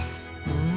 うん。